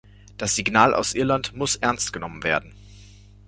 Das Signal aus Irland muss ernst genommen werden.